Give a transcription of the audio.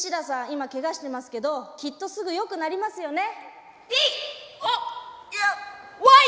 今ケガしてますけどきっとすぐよくなりますよね？